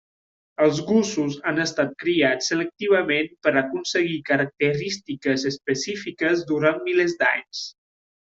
Els gossos han estat criats selectivament per aconseguir característiques específiques durant milers d'anys.